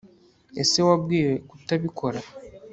ese wabwiwe kutabikora